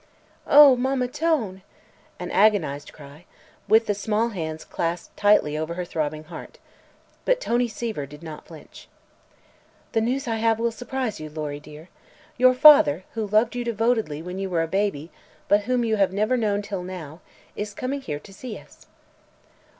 "Oh, Mamma Tone!" An agonized cry, with the small hands clasped tightly over her throbbing heart. But Tony Seaver did not flinch. "The news I have will surprise you, Lory dear. Your father, who loved you devotedly when you were a baby, but whom you have never known till now, is coming here to see us."